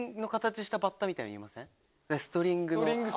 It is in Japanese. ストリングの。